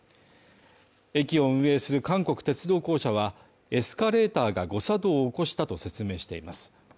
駅を運営する韓国鉄道公社は、エスカレーターが誤作動を起こしたと説明しています。